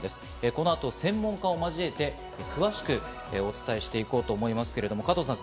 この後、専門家を交えて詳しくお伝えしていこうと思いますけれども、加藤さん。